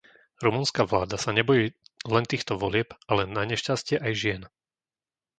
Rumunská vláda sa nebojí len týchto volieb, ale nanešťastie aj žien.